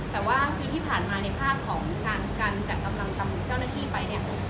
แต่ว่าคือที่ผ่านมาในภาพของการจัดกำลังทำเจ้าหน้าที่ไปเนี่ย